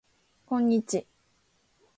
こんにち